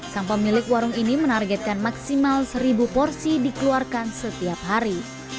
sang pemilik warung ini menargetkan maksimal seribu porsi dikeluarkan setiap hari